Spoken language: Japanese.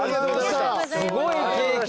すごい経験。